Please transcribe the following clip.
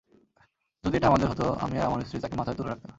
যদি এটা আমাদের হত, আমি আর আমার স্ত্রী তাকে মাথায় তুলে রাখতাম।